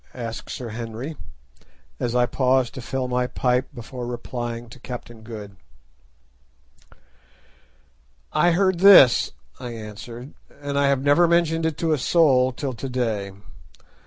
asked Sir Henry, as I paused to fill my pipe before replying to Captain Good. "I heard this," I answered, "and I have never mentioned it to a soul till to day.